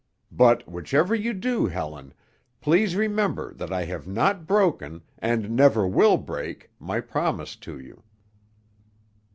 "But whichever you do, Helen, please remember that I have not broken—and never will break—my promise to you."